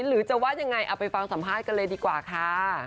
หรือจะว่ายังไงเอาไปฟังสัมภาษณ์กันเลยดีกว่าค่ะ